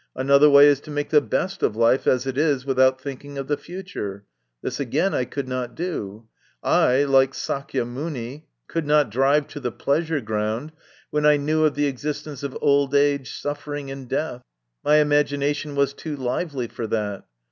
Another way is to make the best of life as it is without thinking of the future. This, again, I could not do. I, like Sakya Muni, could not drive to the pleasure ground, when I knew of the existence of old age, suffering, and death. My imagination was too lively for that.